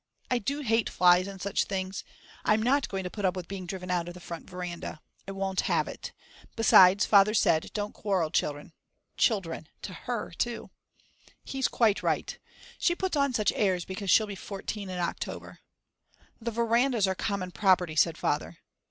I do hate flies and such things. I'm not going to put up with being driven out of the front veranda. I won't have it. Besides, Father said: "Don't quarrel, children!" (Children to her too!!) He's quite right. She puts on such airs because she'll be fourteen in October. "The verandas are common property," said Father.